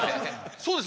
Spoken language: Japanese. そうですよ。